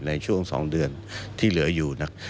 ในช่วง๒เดือนที่เหลืออยู่นะ